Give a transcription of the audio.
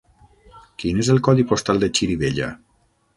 Quin és el codi postal de Xirivella?